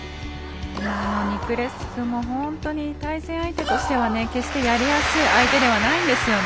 ニクレスクも本当に対戦相手としては決して、やりやすい相手ではないんですよね。